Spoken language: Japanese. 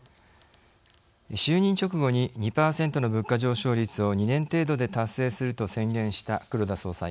就任直後に２％の物価上昇率を２年程度で達成すると宣言した黒田総裁。